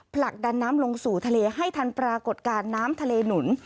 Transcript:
ผลักดันน้ำลงสู่ทะเลให้ทันปรากฏการณ์น้ำทะเลหนุน